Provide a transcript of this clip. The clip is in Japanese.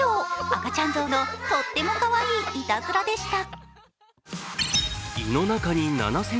赤ちゃん象のとってもかわいいいたずらでした。